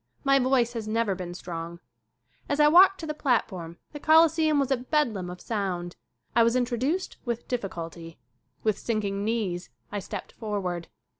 My voice has never been strong. As I walked to the platform the Coliseum was a bedlam of sound. I was introduced with diffi culty. With sinking knees I stepped forward.